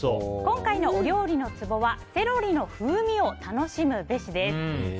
今回のお料理のツボはセロリの風味を楽しむべしです。